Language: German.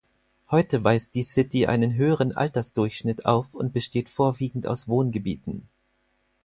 Heute weist die City einen höheren Altersdurchschnitt auf und besteht vorwiegend aus Wohngebieten.